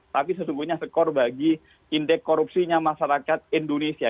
tapi sesungguhnya skor bagi indeks korupsinya masyarakat indonesia